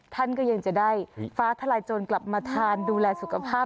ท่านก็ยังจะได้ฟ้าทลายโจรกลับมาทานดูแลสุขภาพ